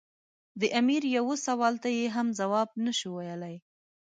د امیر یوه سوال ته یې هم ځواب نه شو ویلای.